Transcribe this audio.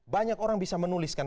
banyak orang bisa menuliskan